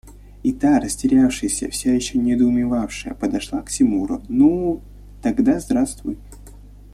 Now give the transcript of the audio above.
И та, растерявшаяся, все еще недоумевающая, подошла к Тимуру: – Ну… тогда здравствуй…